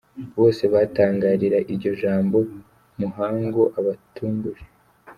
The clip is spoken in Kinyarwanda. Bose batangarira iryo jambo Muhangu abatunguje.